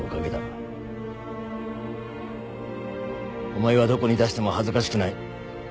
お前はどこに出しても恥ずかしくない。